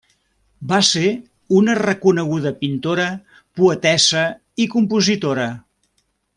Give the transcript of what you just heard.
Va ser una reconeguda pintora, poetessa i compositora.